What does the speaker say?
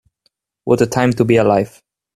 What a time to be alive.